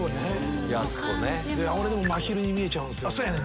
俺まひるに見えちゃうんすよね。